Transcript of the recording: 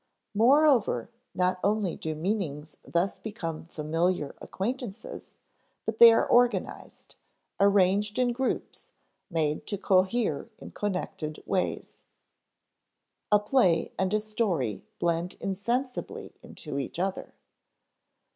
Moreover, not only do meanings thus become familiar acquaintances, but they are organized, arranged in groups, made to cohere in connected ways. A play and a story blend insensibly into each other.